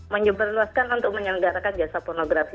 menyeberluaskan untuk menyelenggarakan jasa pornografi